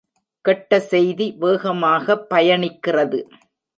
கெட்ட செய்தி வேகமாக பயணிக்கிறது.